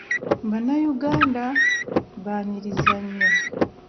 Bannayuganda baaniriza nnyo.